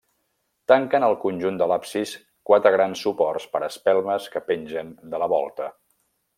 Tanquen el conjunt de l'absis quatre grans suports per espelmes que pengen de la volta.